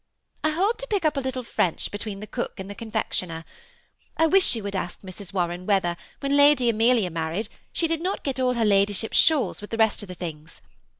I hope to pick up a lit tle French between the cx)ok and the confectioner. 1 wish you would ask Mrs. Warren whether, when Lady THE SEMI ATTAOHED COUPLE. 67 Amelia married, she did not get all her ladyship's shawls with the rest of the things.